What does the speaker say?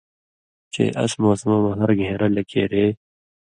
چے اس موسمہ مہ ہر گھېن٘رہ لکېرے